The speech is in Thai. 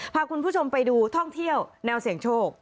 พาคุณผู้ชมไปดูท่องเที่ยวแนวเสี่ยงโชค